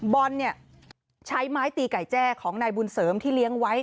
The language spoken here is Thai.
บอลเนี่ยใช้ไม้ตีไก่แจ้ของนายบุญเสริมที่เลี้ยงไว้